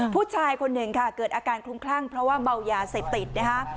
ผู้ชายคนหนึ่งค่ะเกิดอาการคลุ้มคลั่งเพราะว่าเมายาเสพติดนะคะ